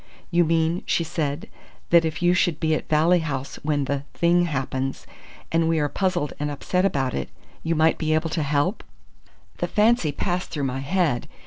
"You mean," she said, "that if you should be at Valley House when the thing happens, and we are puzzled and upset about it, you might be able to help?" "The fancy passed through my head.